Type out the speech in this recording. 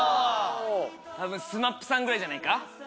多分ＳＭＡＰさんぐらいじゃないか？